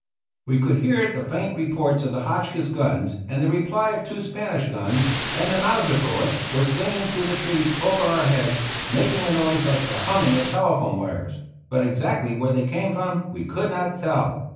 We could hear the faint reports of the Hotchkiss guns and the reply of two Spanish guns, and the Mauser bullets were singing through the trees over our heads, making a noise like the humming of telephone wires; but exactly where they came from we could not tell.